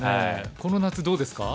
この夏どうですか？